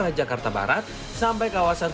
dan jakarta barat sampai kawasan